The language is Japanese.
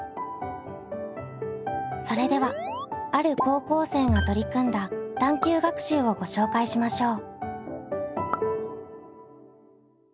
それではある高校生が取り組んだ探究学習をご紹介しましょう。